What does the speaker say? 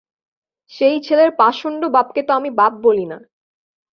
সেই ছেলের পাষণ্ড বাপকে তো আমি বাপ বলি না।